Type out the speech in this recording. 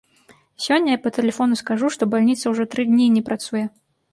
Сёння я па тэлефону скажу, што бальніца ўжо тры дні не працуе!